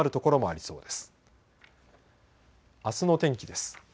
あすの天気です。